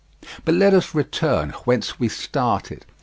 But let us return whence we started.